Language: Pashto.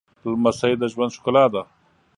لمسی د ژوند ښکلا ده